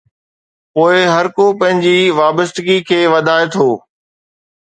پوءِ هر ڪو پنهنجي وابستگي کي وڌائي ٿو.